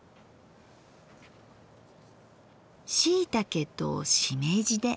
しいたけとしめじで。